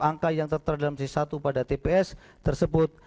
angka yang tertera dalam c satu pada tps tersebut